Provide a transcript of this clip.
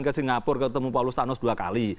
ke singapura ketemu paulus thanos dua kali